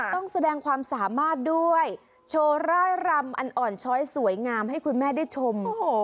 ต้องแสดงความสามารถด้วยโชว์ร่ายรำอันอ่อนช้อยสวยงามให้คุณแม่ได้ชม